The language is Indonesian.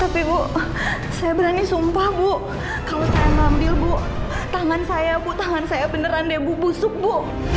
tapi bu saya berani sumpah bu kalau saya ngambil bu tangan saya bu tangan saya beneran deh busuk bu